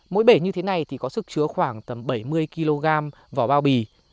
mỗi bể như thế này thì có sức chứa khoảng tầm bảy mươi kg vỏ bao bì